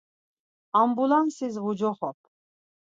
Ambulansis vucoxop.